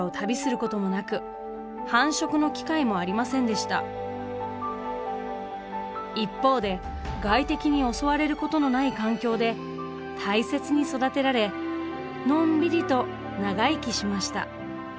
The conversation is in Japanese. さあ野生のウナギと比べ一方で外敵に襲われることのない環境で大切に育てられのんびりと長生きしました。